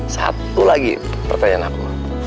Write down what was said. satu lagi pertanyaan aku